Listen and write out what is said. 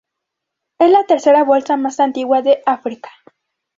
Es la tercera bolsa más antigua de África.